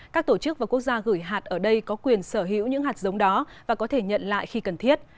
các tổ chức và quốc gia gửi hạt ở đây có quyền sở hữu những hạt giống đó và có thể nhận lại khi cần thiết